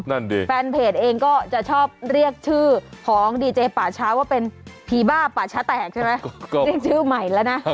นั่นดิแฟนเพจเองก็จะชอบเรียกชื่อของดีเจป่าช้าว่าเป็นผีบ้าป่าช้าแตกใช่ไหมเรียกชื่อใหม่แล้วนะ